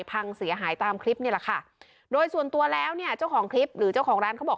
พังเสียหายตามคลิปนี่แหละค่ะโดยส่วนตัวแล้วเนี่ยเจ้าของคลิปหรือเจ้าของร้านเขาบอก